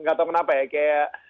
gak tau kenapa ya kayak